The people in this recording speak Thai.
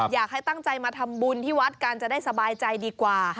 อยากให้ตั้งใจมาทำบุญที่วัดกันจะได้สบายใจดีกว่า